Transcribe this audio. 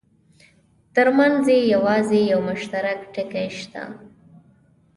ترمنځ یې یوازې یو مشترک ټکی شته.